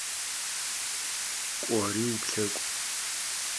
K'ori vuplhek'u!